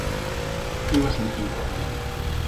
Eu asentín coa cabeza.